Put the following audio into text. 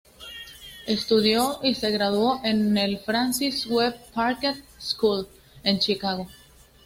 Estudió y se graduó en el "Francis W. Parker School", en Chicago.